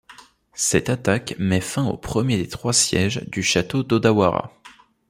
Cette attaque met fin au premier des trois sièges du château d'Odawara.